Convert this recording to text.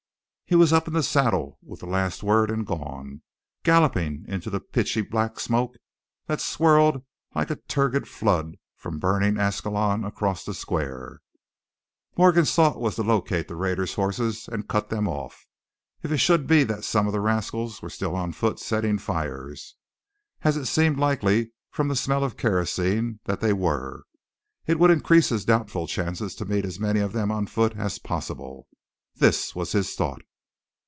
He was up in the saddle with the last word, and gone, galloping into the pitchy black smoke that swirled like a turgid flood from burning Ascalon across the square. Morgan's thought was to locate the raiders' horses and cut them off, if it should be that some of the rascals were still on foot setting fires, as it seemed likely from the smell of kerosene, that they were. It would increase his doubtful chances to meet as many of them on foot as possible. This was his thought.